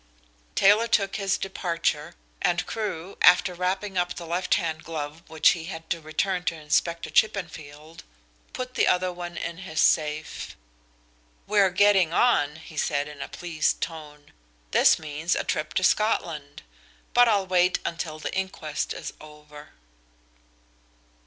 Taylor took his departure, and Crewe, after wrapping up the left hand glove which he had to return to Inspector Chippenfield, put the other one in his safe. "We are getting on," he said in a pleased tone. "This means a trip to Scotland, but I'll wait until the inquest is over."